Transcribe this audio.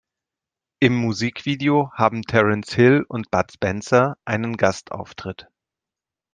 Im Musikvideo haben Terence Hill und Bud Spencer einen Gastauftritt.